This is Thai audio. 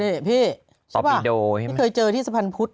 ตอบปีโดว่ะนี่เคยเจอที่สะพันภุษย์